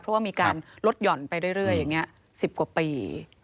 เพราะว่ามีการลดหย่อนไปเรื่อยอย่างนี้๑๐กว่าปี